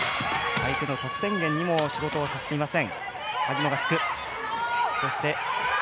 相手の得点源にも仕事をさせていません。